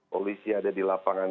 polisi ada di lapangan